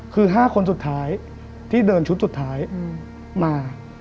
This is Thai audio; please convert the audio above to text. คือ๕คนสุดท้ายที่เดินชุดสุดท้ายมา